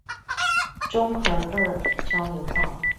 中和二交流道